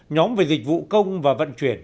sáu nhóm về dịch vụ công và vận chuyển